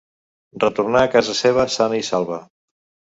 Retornà a casa seva sana i salva.